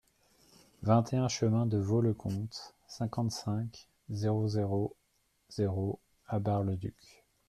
vingt et un chemin de Vaux le Comte, cinquante-cinq, zéro zéro zéro à Bar-le-Duc